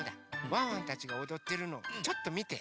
ワンワンたちがおどってるのをちょっとみて。